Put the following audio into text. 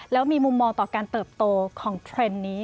แล้วมีมุมมองต่อการเติบโตของเทรนด์นี้